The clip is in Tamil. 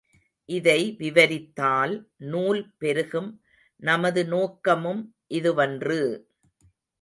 இதை விவரித்தால் நூல் பெருகும் நமது நோக்கமும் இதுவன்று!